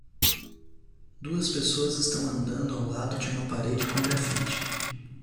Duas pessoas estão andando ao lado de uma parede com graffiti.